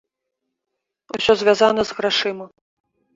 Усё звязана з грашыма!